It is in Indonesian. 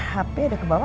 hape udah kebawa ya